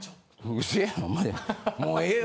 もうええよ。